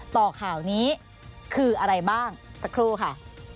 ข่าวนี้คืออะไรบ้างสักครู่ค่ะ